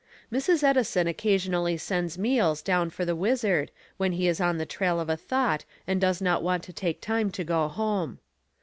Mrs. Edison occasionally sends meals down for the Wizard when he is on the trail of a thought and does not want to take time to go home.